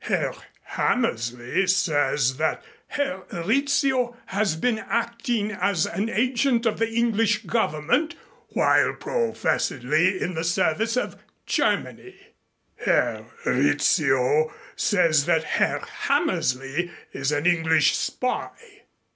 Herr Hammersley says that Herr Rizzio has been acting as an agent of the English Government while professedly in the service of Germany. Herr Rizzio says that Herr Hammersley is an English spy.